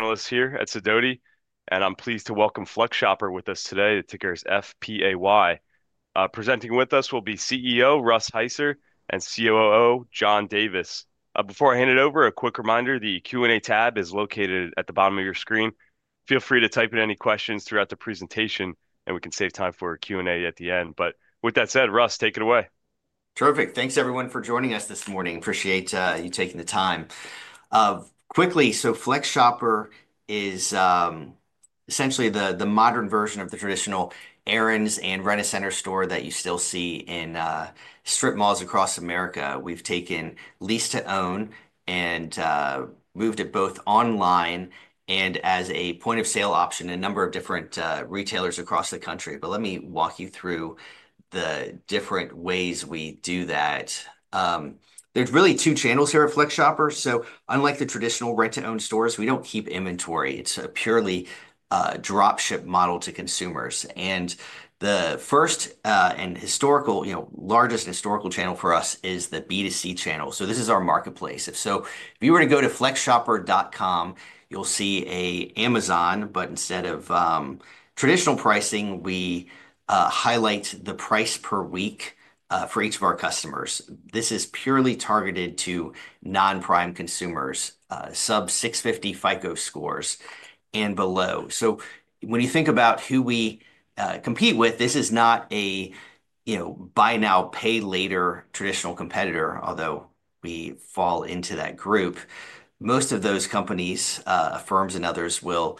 Panelists here at Sidoti, and I'm pleased to welcome FlexShopper with us today, the ticker is FPAY. Presenting with us will be CEO Russ Heiser and COO John Davis. Before I hand it over, a quick reminder: the Q&A tab is located at the bottom of your screen. Feel free to type in any questions throughout the presentation, and we can save time for a Q&A at the end. But with that said, Russ, take it away. Terrific. Thanks, everyone, for joining us this morning. Appreciate you taking the time. Quickly, so FlexShopper is essentially the modern version of the traditional Aaron's and Rent-A-Center store that you still see in strip malls across America. We've taken lease-to-own and moved it both online and as a point-of-sale option in a number of different retailers across the country, but let me walk you through the different ways we do that. There's really two channels here at FlexShopper, so unlike the traditional rent-to-own stores, we don't keep inventory. It's a purely dropship model to consumers. And the first and historical, you know, largest historical channel for us is the B2C channel, so this is our marketplace, so if you were to go to flexshopper.com, you'll see like Amazon, but instead of traditional pricing, we highlight the price per week for each of our customers. This is purely targeted to non-prime consumers sub-650 FICO scores and below. So when you think about who we compete with, this is not a, you know, buy now, pay later traditional competitor, although we fall into that group. Most of those companies, Affirm and others, will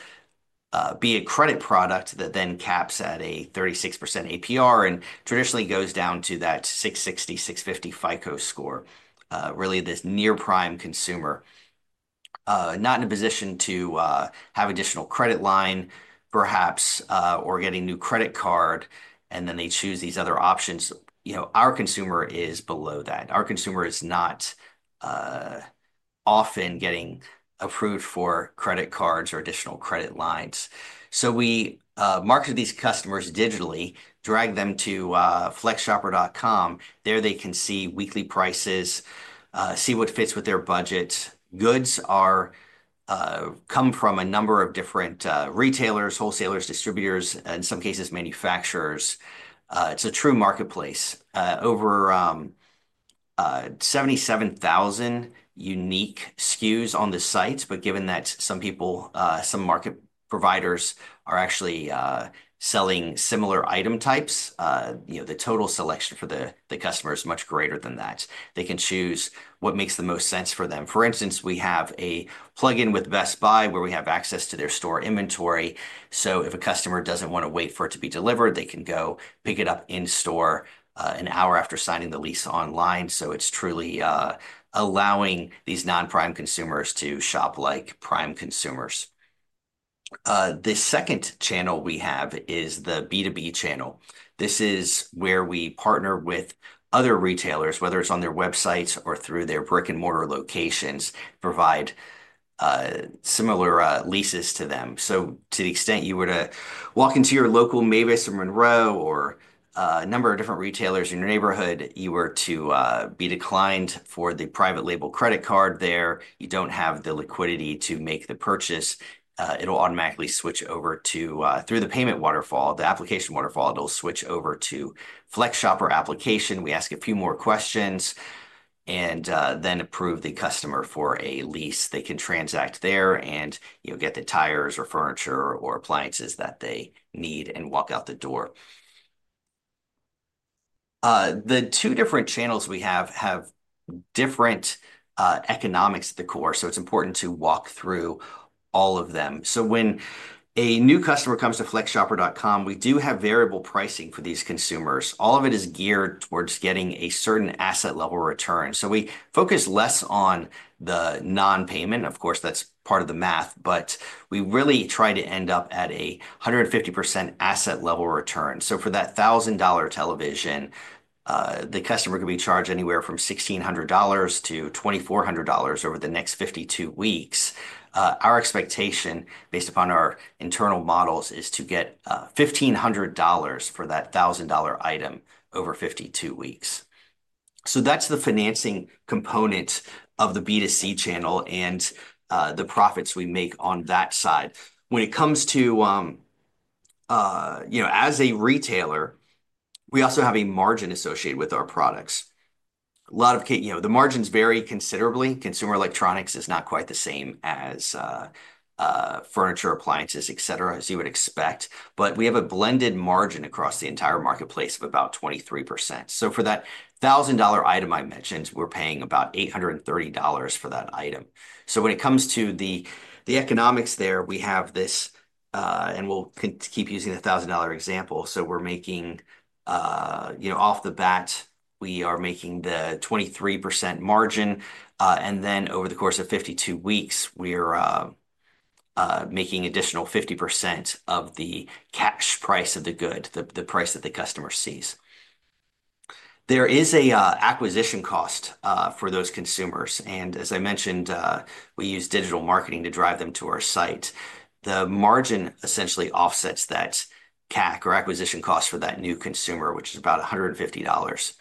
be a credit product that then caps at a 36% APR and traditionally goes down to that 660, 650 FICO score, really this near-prime consumer, not in a position to have additional credit line, perhaps, or getting a new credit card, and then they choose these other options. You know, our consumer is below that. Our consumer is not often getting approved for credit cards or additional credit lines. So we market to these customers digitally, draw them to FlexShopper.com. There they can see weekly prices, see what fits with their budget. Goods come from a number of different retailers, wholesalers, distributors, in some cases, manufacturers. It's a true marketplace. Over 77,000 unique SKUs on the site, but given that some people, some market providers are actually selling similar item types, you know, the total selection for the customer is much greater than that. They can choose what makes the most sense for them. For instance, we have a plug-in with Best Buy where we have access to their store inventory. So if a customer doesn't want to wait for it to be delivered, they can go pick it up in store an hour after signing the lease online. So it's truly allowing these non-prime consumers to shop like prime consumers. The second channel we have is the B2B channel. This is where we partner with other retailers, whether it's on their websites or through their brick-and-mortar locations, provide similar leases to them. To the extent you were to walk into your local Mavis or Monro or a number of different retailers in your neighborhood, you were to be declined for the private label credit card there, you don't have the liquidity to make the purchase, it'll automatically switch over to, through the payment waterfall, the application waterfall, it'll switch over to FlexShopper application. We ask a few more questions and then approve the customer for a lease. They can transact there and, you know, get the tires or furniture or appliances that they need and walk out the door. The two different channels we have have different economics at the core, so it's important to walk through all of them. So when a new customer comes to FlexShopper.com, we do have variable pricing for these consumers. All of it is geared towards getting a certain asset-level return. So we focus less on the non-payment. Of course, that's part of the math, but we really try to end up at a 150% asset-level return. So for that $1,000 television, the customer could be charged anywhere from $1,600-$2,400 over the next 52 weeks. Our expectation, based upon our internal models, is to get $1,500 for that $1,000 item over 52 weeks. So that's the financing component of the B2C channel and the profits we make on that side. When it comes to, you know, as a retailer, we also have a margin associated with our products. A lot of, you know, the margins vary considerably. Consumer electronics is not quite the same as furniture, appliances, et cetera, as you would expect. But we have a blended margin across the entire marketplace of about 23%. So for that $1,000 item I mentioned, we're paying about $830 for that item. So when it comes to the economics there, we have this, and we'll keep using the $1,000 example. So we're making, you know, off the bat, we are making the 23% margin. And then over the course of 52 weeks, we're making additional 50% of the cash price of the good, the price that the customer sees. There is an acquisition cost for those consumers. And as I mentioned, we use digital marketing to drive them to our site. The margin essentially offsets that CAC or acquisition cost for that new consumer, which is about $150.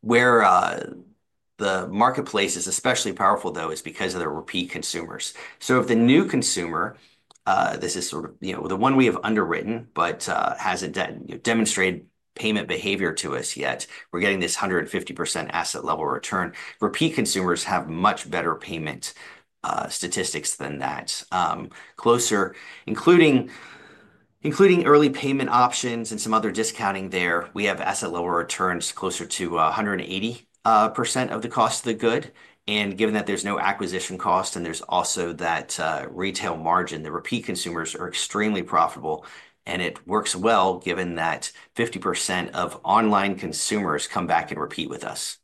Where the marketplace is especially powerful, though, is because of the repeat consumers, so if the new consumer, this is sort of, you know, the one we have underwritten, but hasn't demonstrated payment behavior to us yet, we're getting this 150% asset level return. Repeat consumers have much better payment statistics than that. Closer, including early payment options and some other discounting there, we have asset level returns closer to 180% of the cost of the good, and given that there's no acquisition cost and there's also that retail margin, the repeat consumers are extremely profitable and it works well given that 50% of online consumers come back and repeat with us.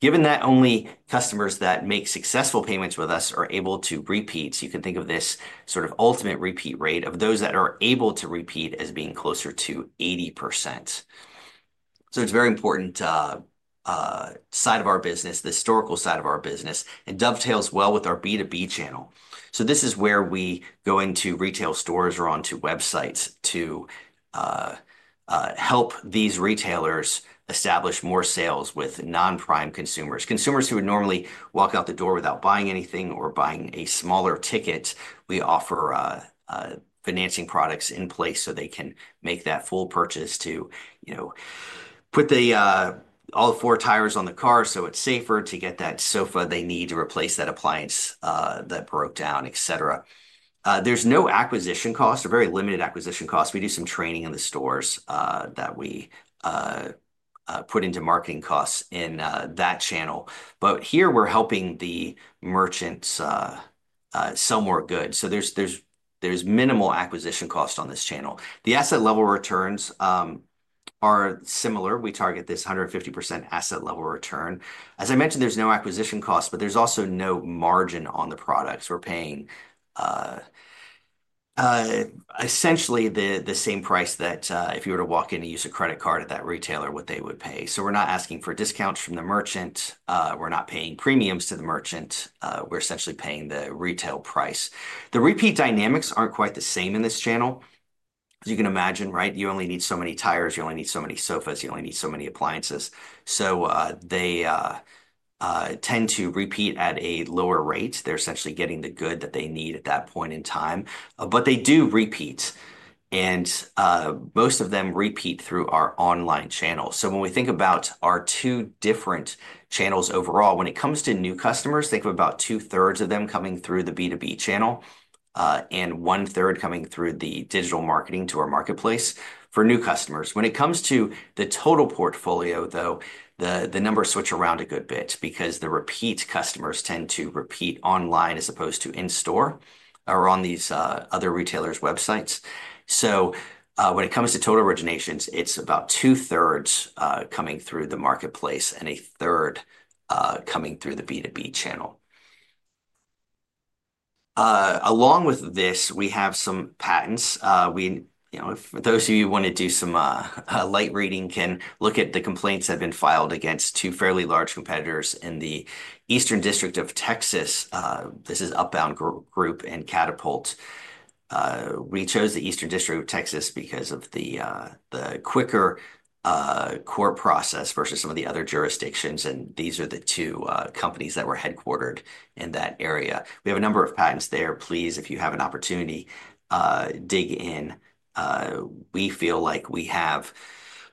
Given that only customers that make successful payments with us are able to repeat, so you can think of this sort of ultimate repeat rate of those that are able to repeat as being closer to 80%. So it's a very important side of our business, the historical side of our business, and dovetails well with our B2B channel. So this is where we go into retail stores or onto websites to help these retailers establish more sales with non-prime consumers. Consumers who would normally walk out the door without buying anything or buying a smaller ticket, we offer financing products in place so they can make that full purchase to, you know, put all four tires on the car so it's safer to get that sofa they need to replace that appliance that broke down, et cetera. There's no acquisition cost or very limited acquisition cost. We do some training in the stores that we put into marketing costs in that channel. But here we're helping the merchants sell more goods. So there's minimal acquisition cost on this channel. The asset level returns are similar. We target this 150% asset-level return. As I mentioned, there's no acquisition cost, but there's also no margin on the products. We're paying essentially the same price that if you were to walk in and use a credit card at that retailer, what they would pay. So we're not asking for discounts from the merchant. We're not paying premiums to the merchant. We're essentially paying the retail price. The repeat dynamics aren't quite the same in this channel. As you can imagine, right, you only need so many tires, you only need so many sofas, you only need so many appliances. So they tend to repeat at a lower rate. They're essentially getting the good that they need at that point in time. But they do repeat. And most of them repeat through our online channel. So when we think about our two different channels overall, when it comes to new customers, think of about 2/3 of them coming through the B2B channel and one-third coming through the digital marketing to our marketplace for new customers. When it comes to the total portfolio, though, the numbers switch around a good bit because the repeat customers tend to repeat online as opposed to in-store or on these other retailers' websites. So when it comes to total originations, it's about 2/3 coming through the marketplace and a third coming through the B2B channel. Along with this, we have some patents. You know, for those of you who want to do some light reading, you can look at the complaints that have been filed against two fairly large competitors in the Eastern District of Texas. This is Upbound Group and Katapult. We chose the Eastern District of Texas because of the quicker court process versus some of the other jurisdictions, and these are the two companies that were headquartered in that area. We have a number of patents there. Please, if you have an opportunity, dig in. We feel like we have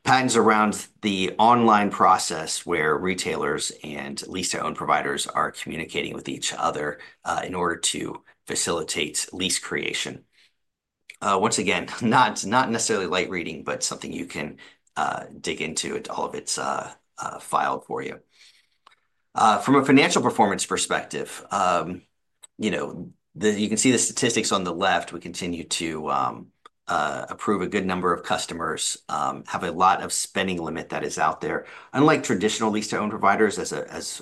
patents around the online process where retailers and lease-to-own providers are communicating with each other in order to facilitate lease creation. Once again, not necessarily light reading, but something you can dig into. All of it's filed for you. From a financial performance perspective, you know, you can see the statistics on the left. We continue to approve a good number of customers, have a lot of spending limit that is out there. Unlike traditional lease-to-own providers, as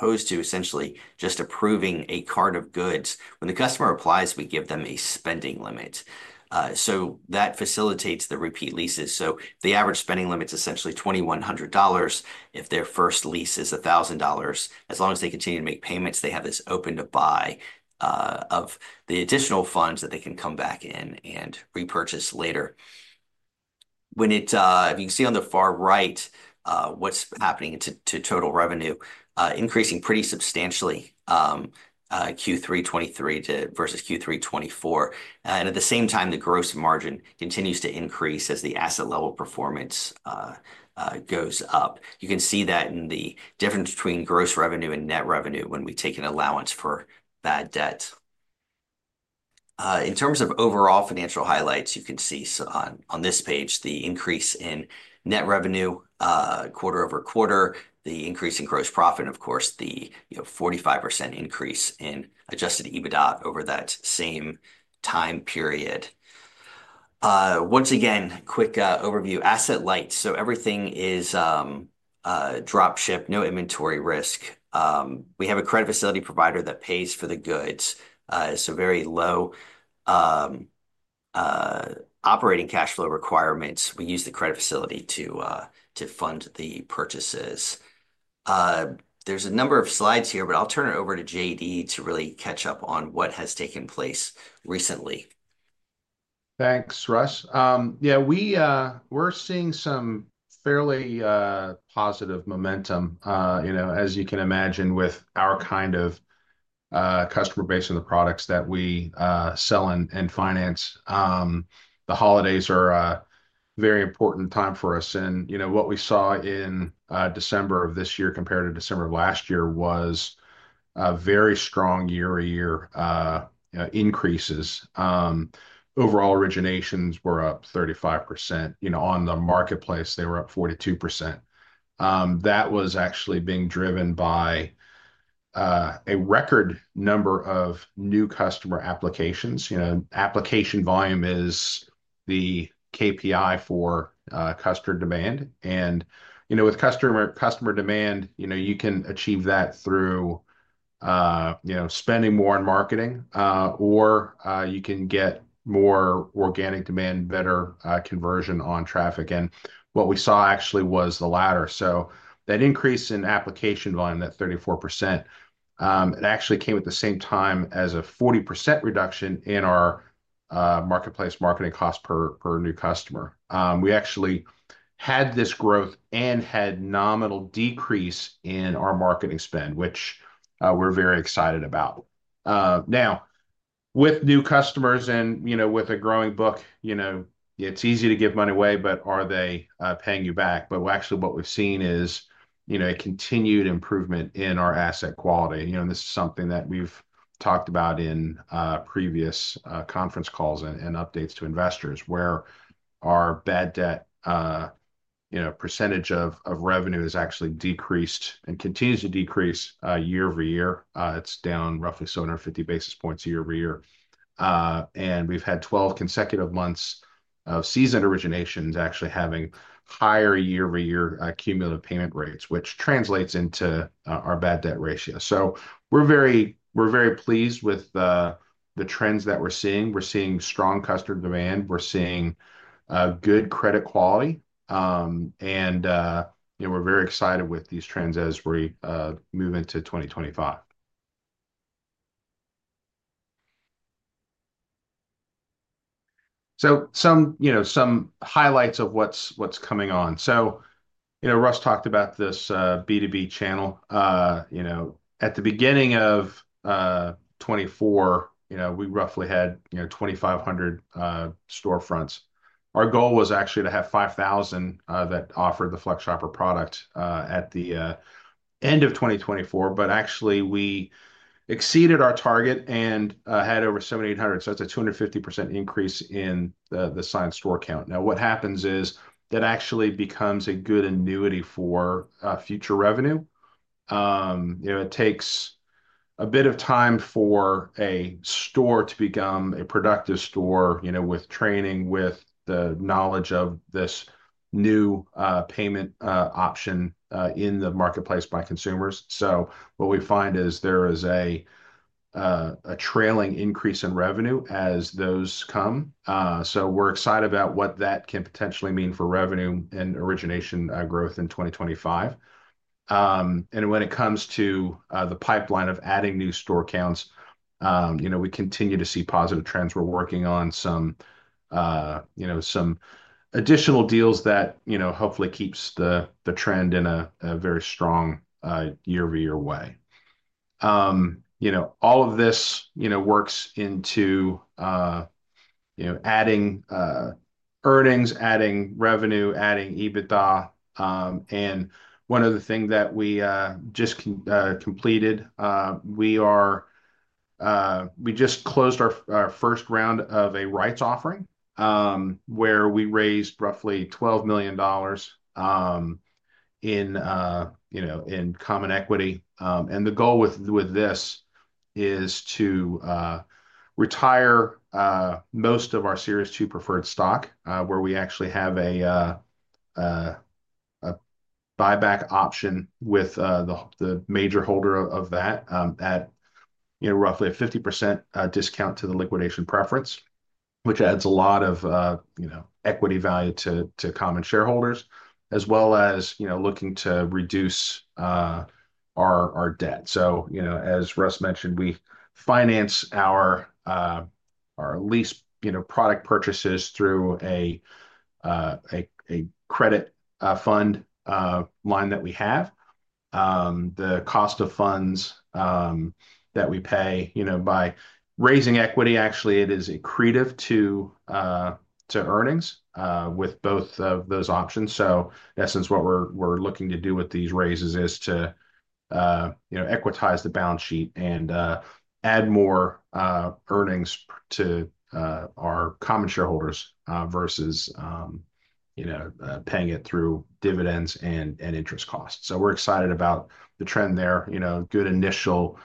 opposed to essentially just approving a cart of goods, when the customer applies, we give them a spending limit. So that facilitates the repeat leases. So the average spending limit's essentially $2,100. If their first lease is $1,000, as long as they continue to make payments, they have this open to buy of the additional funds that they can come back in and repurchase later. You can see on the far right what's happening to total revenue, increasing pretty substantially Q3 2023 versus Q3 2024. And at the same time, the gross margin continues to increase as the asset level performance goes up. You can see that in the difference between gross revenue and net revenue when we take an allowance for bad debt. In terms of overall financial highlights, you can see on this page the increase in net revenue quarter-over-quarter, the increase in gross profit, and of course, the, you know, 45% increase in adjusted EBITDA over that same time period. Once again, quick overview: asset light. So everything is dropship, no inventory risk. We have a credit facility provider that pays for the goods. So very low operating cash flow requirements. We use the credit facility to fund the purchases. There's a number of slides here, but I'll turn it over to J.D. to really catch up on what has taken place recently. Thanks, Russ. Yeah, we're seeing some fairly positive momentum, you know, as you can imagine with our kind of customer base and the products that we sell and finance. The holidays are a very important time for us, and you know, what we saw in December of this year compared to December of last year was very strong year-to-year increases. Overall originations were up 35%. You know, on the marketplace, they were up 42%. That was actually being driven by a record number of new customer applications. You know, application volume is the KPI for customer demand. And you know, with customer demand, you know, you can achieve that through you know, spending more on marketing or you can get more organic demand, better conversion on traffic. And what we saw actually was the latter. So that increase in application volume, that 34%, it actually came at the same time as a 40% reduction in our marketplace marketing cost per new customer. We actually had this growth and had nominal decrease in our marketing spend, which we're very excited about. Now, with new customers and you know, with a growing book, you know, it's easy to give money away, but are they paying you back? But actually what we've seen is you know, a continued improvement in our asset quality. You know, and this is something that we've talked about in previous conference calls and updates to investors where our bad debt, you know, percentage of revenue has actually decreased and continues to decrease year-over-year. It's down roughly 750 basis points year-over-year. And we've had 12 consecutive months of seasoned originations actually having higher year-over-year cumulative payment rates, which translates into our bad debt ratio. So we're very pleased with the trends that we're seeing. We're seeing strong customer demand. We're seeing good credit quality. And, you know, we're very excited with these trends as we move into 2025. So some, you know, some highlights of what's coming on. So, you know, Russ talked about this B2B channel. You know, at the beginning of 2024, you know, we roughly had, you know, 2,500 storefronts. Our goal was actually to have 5,000 that offered the FlexShopper product at the end of 2024, but actually we exceeded our target and had over 7,800, so it's a 250% increase in the signed store count. Now, what happens is that actually becomes a good annuity for future revenue. You know, it takes a bit of time for a store to become a productive store, you know, with training, with the knowledge of this new payment option in the marketplace by consumers, so what we find is there is a trailing increase in revenue as those come, so we're excited about what that can potentially mean for revenue and origination growth in 2025, and when it comes to the pipeline of adding new store counts, you know, we continue to see positive trends. We're working on some, you know, some additional deals that, you know, hopefully keeps the trend in a very strong year-over-year way. You know, all of this, you know, works into, you know, adding earnings, adding revenue, adding EBITDA. And one other thing that we just completed, we just closed our first round of a rights offering where we raised roughly $12 million in, you know, in common equity. And the goal with this is to retire most of our Series 2 preferred stock where we actually have a buyback option with the major holder of that at, you know, roughly a 50% discount to the liquidation preference, which adds a lot of, you know, equity value to common shareholders as well as, you know, looking to reduce our debt. So, you know, as Russ mentioned, we finance our lease, you know, product purchases through a credit fund line that we have. The cost of funds that we pay, you know, by raising equity, actually, it is accretive to earnings with both of those options. So, in essence, what we're looking to do with these raises is to, you know, equitize the balance sheet and add more earnings to our common shareholders versus, you know, paying it through dividends and interest costs. So we're excited about the trend there, you know, good initial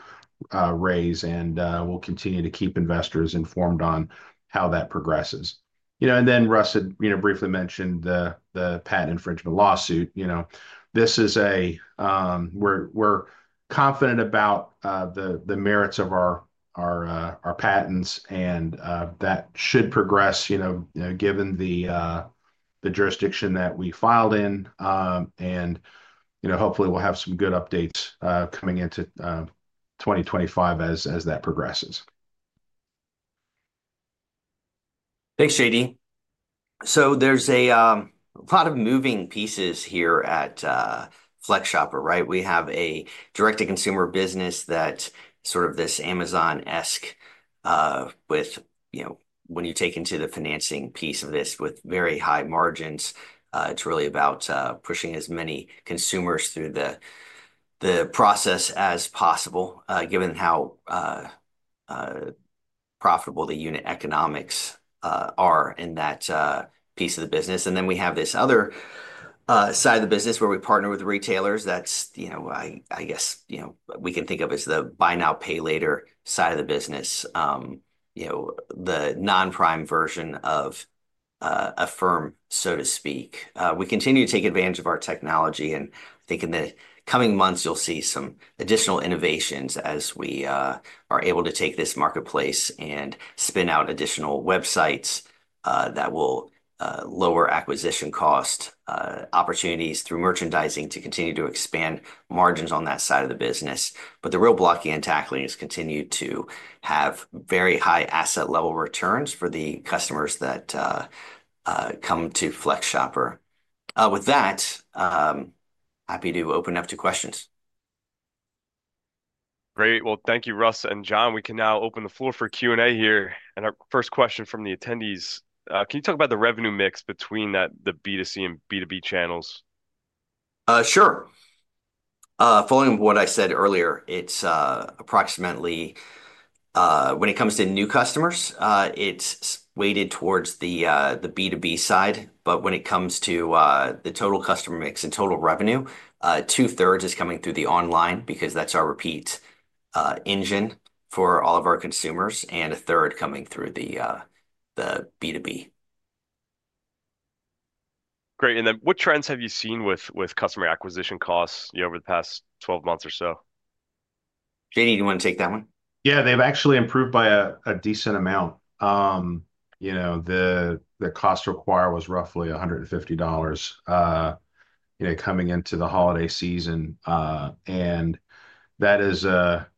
raise, and we'll continue to keep investors informed on how that progresses. You know, and then Russ had, you know, briefly mentioned the patent infringement lawsuit. You know, this is a, we're confident about the merits of our patents and that should progress, you know, given the jurisdiction that we filed in. You know, hopefully we'll have some good updates coming into 2025 as that progresses. Thanks, J.D. There's a lot of moving pieces here at FlexShopper, right? We have a direct-to-consumer business that's sort of this Amazon-esque with, you know, when you take into the financing piece of this with very high margins, it's really about pushing as many consumers through the process as possible given how profitable the unit economics are in that piece of the business. We have this other side of the business where we partner with retailers. That's, you know, I guess, you know, we can think of as the buy now, pay later side of the business, you know, the non-prime version of Affirm, so to speak. We continue to take advantage of our technology. And I think in the coming months, you'll see some additional innovations as we are able to take this marketplace and spin out additional websites that will lower acquisition cost opportunities through merchandising to continue to expand margins on that side of the business. But the real block you're tackling is continue to have very high asset-level returns for the customers that come to FlexShopper. With that, happy to open it up to questions. Great. Well, thank you, Russ and John. We can now open the floor for Q&A here. And our first question from the attendees, can you talk about the revenue mix between the B2C and B2B channels? Sure. Following what I said earlier, it's approximately, when it comes to new customers, it's weighted towards the B2B side. But when it comes to the total customer mix and total revenue, 2/3 is coming through the online because that's our repeat engine for all of our consumers and a third coming through the B2B. Great. And then what trends have you seen with customer acquisition costs, you know, over the past 12 months or so? J.D., do you want to take that one? Yeah, they've actually improved by a decent amount. You know, the cost required was roughly $150, you know, coming into the holiday season. And that is a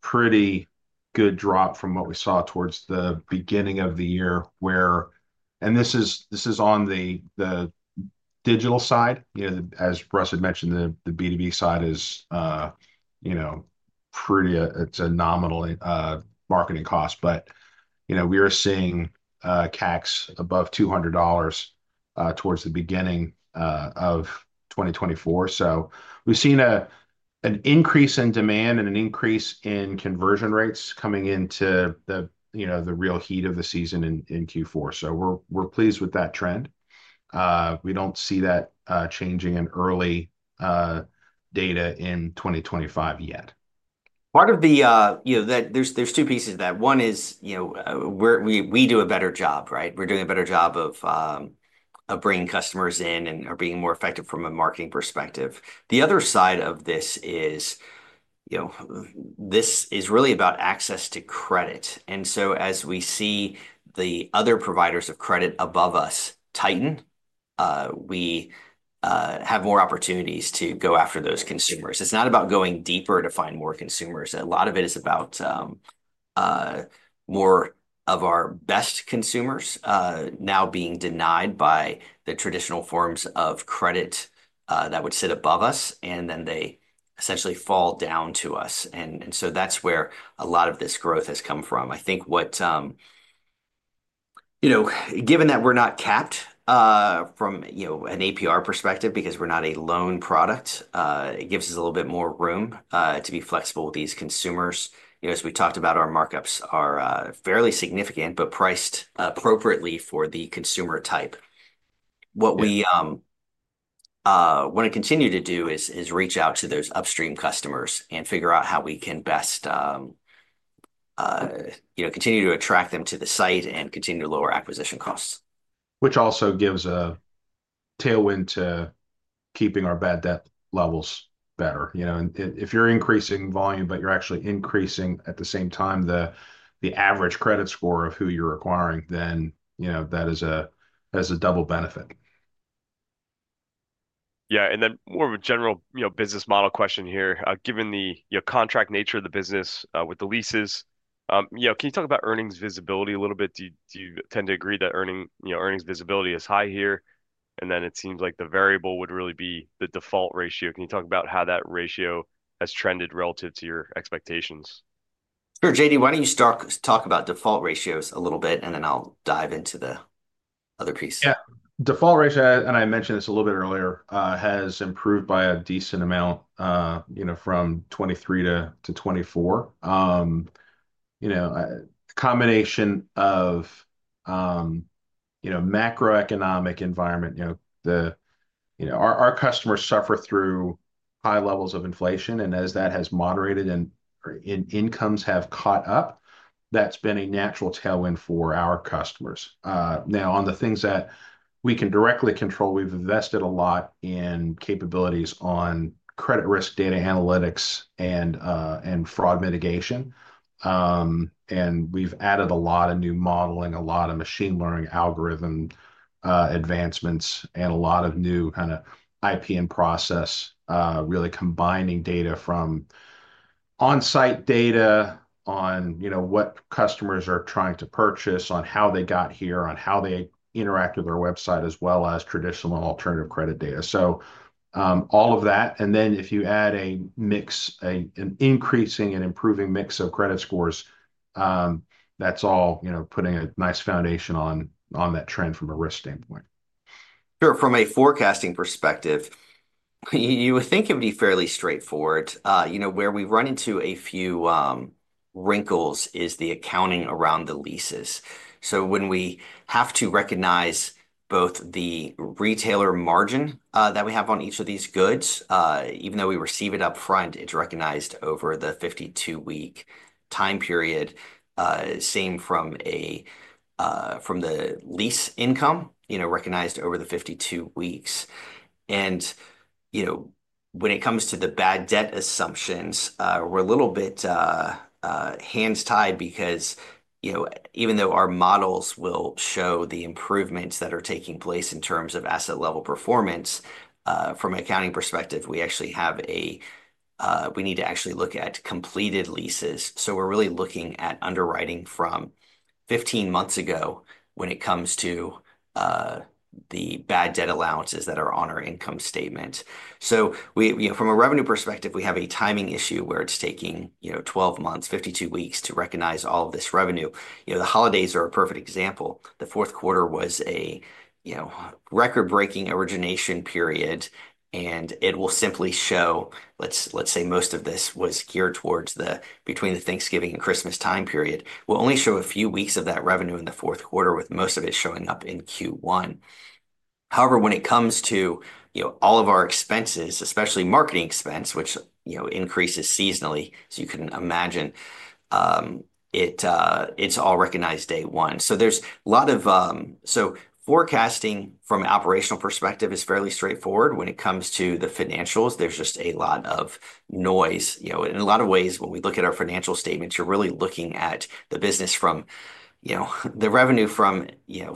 pretty good drop from what we saw towards the beginning of the year where, and this is on the digital side, you know, as Russ had mentioned, the B2B side is, you know, pretty, it's a nominal marketing cost. But, you know, we are seeing CACs above $200 towards the beginning of 2024. So we've seen an increase in demand and an increase in conversion rates coming into the, you know, the real heat of the season in Q4. So we're pleased with that trend. We don't see that changing in early data in 2025 yet. Part of the, you know, there's two pieces of that. One is, you know, we do a better job, right? We're doing a better job of bringing customers in and are being more effective from a marketing perspective. The other side of this is, you know, this is really about access to credit. And so as we see the other providers of credit above us tighten, we have more opportunities to go after those consumers. It's not about going deeper to find more consumers. A lot of it is about more of our best consumers now being denied by the traditional forms of credit that would sit above us, and then they essentially fall down to us, and so that's where a lot of this growth has come from. I think what, you know, given that we're not capped from, you know, an APR perspective, because we're not a loan product, it gives us a little bit more room to be flexible with these consumers. You know, as we talked about, our markups are fairly significant, but priced appropriately for the consumer type. What we want to continue to do is reach out to those upstream customers and figure out how we can best, you know, continue to attract them to the site and continue to lower acquisition costs. Which also gives a tailwind to keeping our bad debt levels better. You know, if you're increasing volume, but you're actually increasing at the same time the average credit score of who you're acquiring, then, you know, that is a double benefit. Yeah. And then more of a general, you know, business model question here. Given the, you know, contract nature of the business with the leases, you know, can you talk about earnings visibility a little bit? Do you tend to agree that earnings, you know, earnings visibility is high here? And then it seems like the variable would really be the default ratio. Can you talk about how that ratio has trended relative to your expectations? Sure, J.D., why don't you talk about default ratios a little bit, and then I'll dive into the other piece. Yeah. Default ratio, and I mentioned this a little bit earlier, has improved by a decent amount, you know, from 2023 to 2024. You know, the combination of, you know, macroeconomic environment, you know, the, you know, our customers suffer through high levels of inflation, and as that has moderated and incomes have caught up, that's been a natural tailwind for our customers. Now, on the things that we can directly control, we've invested a lot in capabilities on credit risk data analytics and fraud mitigation. And we've added a lot of new modeling, a lot of machine learning algorithm advancements, and a lot of new kind of IP and process, really combining data from on-site data on, you know, what customers are trying to purchase, on how they got here, on how they interact with our website, as well as traditional and alternative credit data. So all of that. And then if you add a mix, an increasing and improving mix of credit scores, that's all, you know, putting a nice foundation on that trend from a risk standpoint. Sure. From a forecasting perspective, you would think it would be fairly straightforward. You know, where we run into a few wrinkles is the accounting around the leases. So when we have to recognize both the retailer margin that we have on each of these goods, even though we receive it upfront, it's recognized over the 52-week time period, same from the lease income, you know, recognized over the 52 weeks. You know, when it comes to the bad debt assumptions, we're a little bit hands-tied because, you know, even though our models will show the improvements that are taking place in terms of asset-level performance, from an accounting perspective, we actually have a, we need to actually look at completed leases. We're really looking at underwriting from 15 months ago when it comes to the bad debt allowances that are on our income statement. We, you know, from a revenue perspective, we have a timing issue where it's taking, you know, 12 months, 52 weeks to recognize all of this revenue. You know, the holidays are a perfect example. The fourth quarter was a, you know, record-breaking origination period, and it will simply show, let's say most of this was geared towards the, between the Thanksgiving and Christmas time period. We'll only show a few weeks of that revenue in the fourth quarter, with most of it showing up in Q1. However, when it comes to, you know, all of our expenses, especially marketing expense, which, you know, increases seasonally, as you can imagine, it's all recognized day one. So there's a lot of forecasting from an operational perspective is fairly straightforward. When it comes to the financials, there's just a lot of noise, you know, in a lot of ways. When we look at our financial statements, you're really looking at the business from, you know, the revenue from, you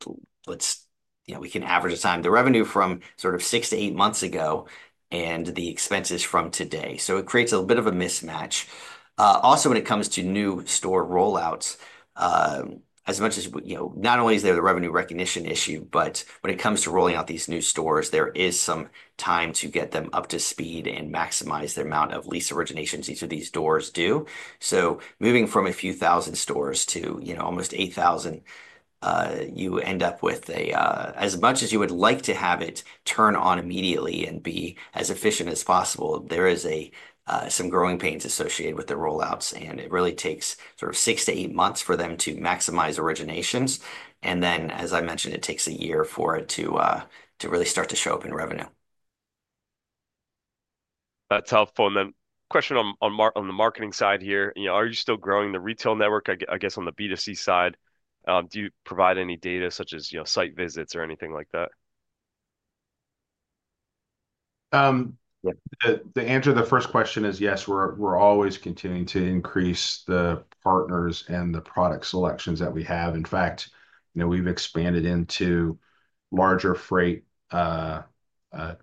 know, let's, you know, we can average the time, the revenue from sort of six to eight months ago and the expenses from today. So it creates a little bit of a mismatch. Also, when it comes to new store rollouts, as much as, you know, not only is there the revenue recognition issue, but when it comes to rolling out these new stores, there is some time to get them up to speed and maximize the amount of lease originations each of these doors do. So moving from a few thousand stores to, you know, almost 8,000, you end up with a, as much as you would like to have it turn on immediately and be as efficient as possible, there is some growing pains associated with the rollouts, and it really takes sort of six to eight months for them to maximize originations. And then, as I mentioned, it takes a year for it to really start to show up in revenue. That's helpful. And then question on the marketing side here, you know, are you still growing the retail network? I guess on the B2C side, do you provide any data such as, you know, site visits or anything like that? The answer to the first question is yes, we're always continuing to increase the partners and the product selections that we have. In fact, you know, we've expanded into larger freight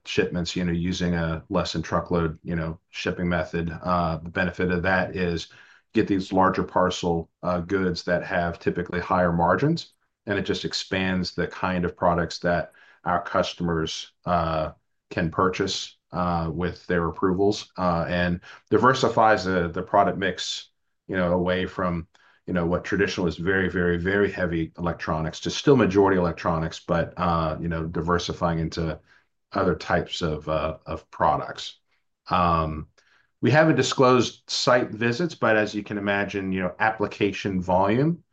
shipments, you know, using a less than truckload, you know, shipping method. The benefit of that is get these larger parcel goods that have typically higher margins, and it just expands the kind of products that our customers can purchase with their approvals and diversifies the product mix, you know, away from, you know, what traditional is very, very, very heavy electronics to still majority electronics, but, you know, diversifying into other types of products. We haven't disclosed site visits, but as you can imagine, you know, application volume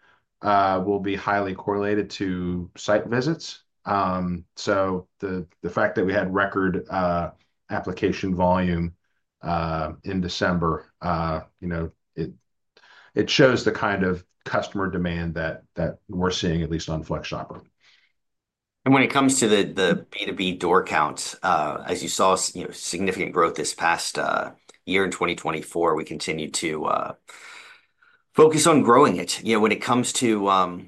will be highly correlated to site visits. So the fact that we had record application volume in December, you know, it shows the kind of customer demand that we're seeing, at least on FlexShopper. And when it comes to the B2B door count, as you saw, you know, significant growth this past year in 2024, we continue to focus on growing it. You know, when it comes to,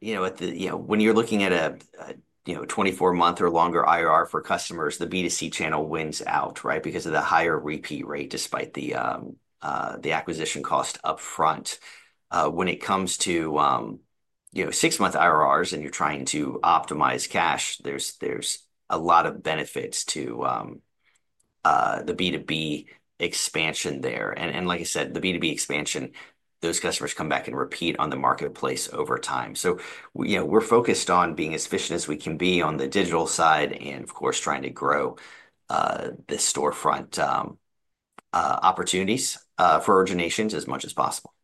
you know, when you're looking at a, you know, 24-month or longer IRR for customers, the B2C channel wins out, right, because of the higher repeat rate despite the acquisition cost upfront. When it comes to, you know, six-month IRRs and you're trying to optimize cash, there's a lot of benefits to the B2B expansion there. And like I said, the B2B expansion, those customers come back and repeat on the marketplace over time. So, you know, we're focused on being as efficient as we can be on the digital side and, of course, trying to grow the storefront opportunities for originations as much as possible.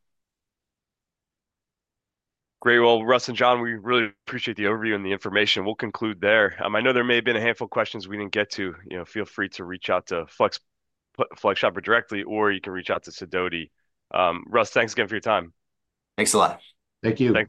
Great. Well, Russ and John, we really appreciate the overview and the information. We'll conclude there. I know there may have been a handful of questions we didn't get to. You know, feel free to reach out to FlexShopper directly, or you can reach out to Sidoti. Russ, thanks again for your time. Thanks a lot. Thank you.